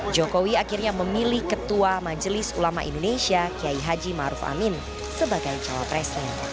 jokowi akhirnya memilih ketua majelis ulama indonesia kiai haji maruf amin sebagai cawapresnya